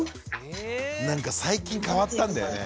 なんか最近変わったんだよね。